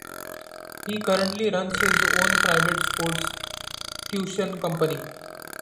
He currently runs his own private sports tuition company.